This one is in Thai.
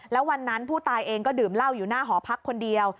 แล้ววันนั้นผู้ตายเองก็ดื่มเหล้าอยู่หน้าหอพักคนเดียว